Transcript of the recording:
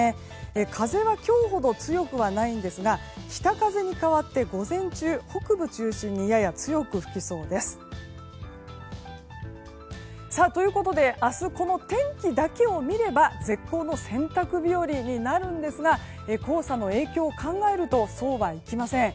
風は今日ほど強くはないんですが北風に変わって午前中北部中心にやや強く吹きそうです。ということで、明日天気だけを見れば絶好の洗濯日和になりますが黄砂の影響を考えるとそうはいきません。